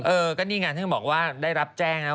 เออก็นี่ไงท่านบอกว่าได้รับแจ้งนะ